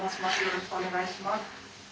よろしくお願いします。